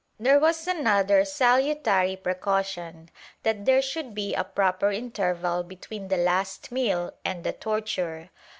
^ There was another salutary precaution — that there should be a proper interval between the last meal and the torture.